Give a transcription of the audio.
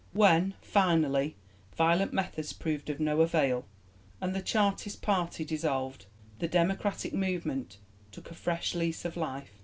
When, finally, violent methods proved of no avail and the Chartist party dissolved, the democratic movement took a fresh lease of life.